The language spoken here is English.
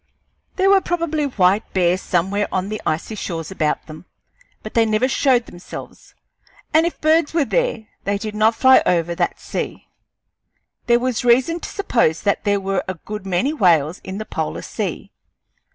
There were probably white bears somewhere on the icy shores about them, but they never showed themselves; and if birds were there, they did not fly over that sea. There was reason to suppose that there were a good many whales in the polar sea.